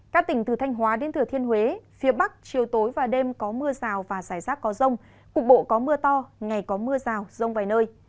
các tỉnh từ thanh hóa đến thừa thiên huế phía bắc chiều tối và đêm có mưa rào và rải rác có rông cục bộ có mưa to ngày có mưa rào rông vài nơi